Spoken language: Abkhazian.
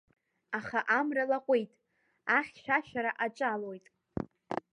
Аха амра лаҟәит, ахьшәашәара аҿалоит.